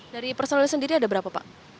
dari personil sendiri ada berapa pak